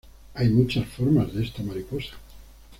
Hay muchas formas de esta mariposa.